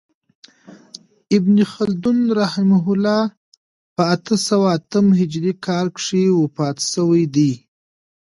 ابن خلدون رحمة الله په اته سوه اتم هجري کال کښي وفات سوی دئ.